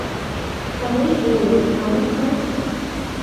Каврий веле... ала сай?..